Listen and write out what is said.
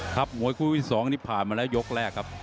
ครับมวยคู่๒นี้ผ่านมาแล้วยกแรกครับ